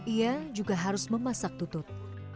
ia juga harus memasak tutut